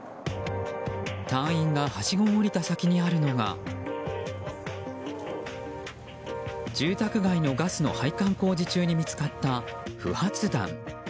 隊員がはしごを降りた先にあるのが住宅街のガスの配管工事中に見つかった不発弾。